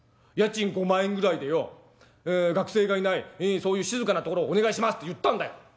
『家賃５万円ぐらいでよ学生がいないそういう静かな所をお願いします』って言ったんだよ。